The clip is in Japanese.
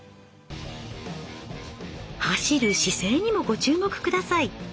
走る姿勢にもご注目下さい。